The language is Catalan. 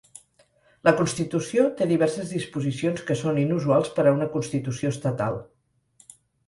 La constitució té diverses disposicions que són inusuals per a una constitució estatal.